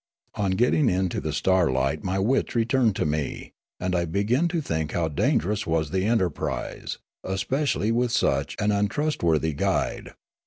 On getting into the starlight my wits returned to me, and I began to think how dangerous was the enterprise, especially with such an untrust worthy guide.